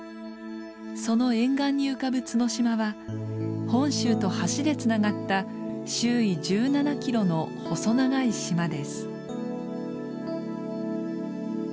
その沿岸に浮かぶ角島は本州と橋でつながった周囲１７キロの細長い島です。